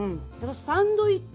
サンドイッチ。